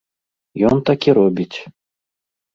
Ён так і робіць.